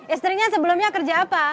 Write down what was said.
istrinya sebelumnya kerja apa